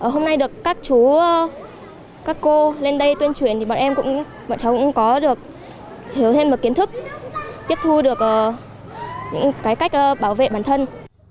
hôm nay được các chú các cô lên đây tuyên truyền thì bọn em bọn cháu cũng có được hiểu thêm được kiến thức tiếp thu được những cách bảo vệ bản thân